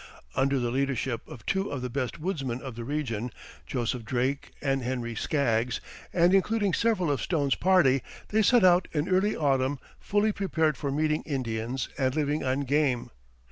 Under the leadership of two of the best woodsmen of the region, Joseph Drake and Henry Skaggs, and including several of Stone's party, they set out in early autumn fully prepared for meeting Indians and living on game.